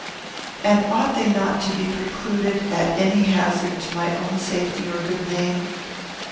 and ought they not to be precluded at any hazard to my own safety or good name?